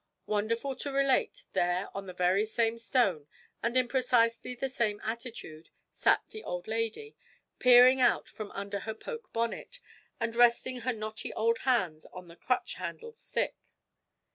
Wonderful to relate, there, on the very same stone and in precisely the same attitude, sat the old lady, peering out from under her poke bonnet, and resting her knotty old hands on her crutch handled stick!